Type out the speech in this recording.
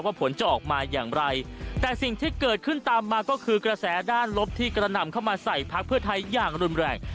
ผลจะออกมาอย่างไรแต่สิ่งที่เกิดขึ้นตามมาก็คือกระแสด้านลบที่กระนำเข้ามาใส่พักเพื่อไทยอย่างรุนแรง